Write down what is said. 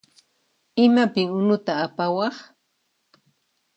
Imapin unuta apawaq?